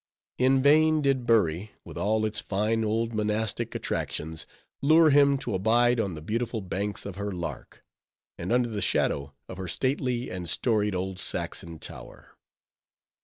In vain did Bury, with all its fine old monastic attractions, lure him to abide on the beautiful banks of her Larke, and under the shadow of her stately and storied old Saxon tower.